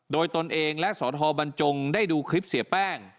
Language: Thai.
โดยตนเองและสทบรรจงได้ดูคลิปเสียแป้ง